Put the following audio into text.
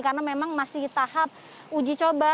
karena memang masih tahap uji coba